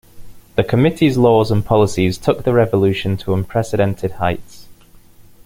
The Committee's laws and policies took the revolution to unprecedented heights.